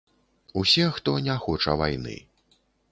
Усе, хто не хоча вайны.